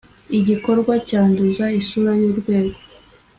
igikorwa cyanduza isura y’urwego